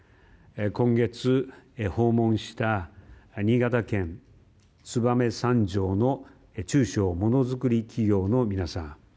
今月訪問した新潟県燕三条市の中小モノづくり企業の皆さん。